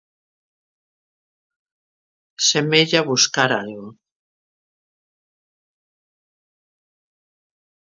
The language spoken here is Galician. Semella buscar algo.